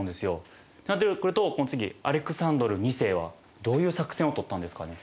そうなってくるとこの次アレクサンドル２世はどういう作戦を取ったんですかね？